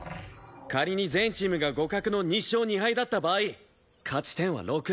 仮に全チームが互角の２勝２敗だった場合勝ち点は６。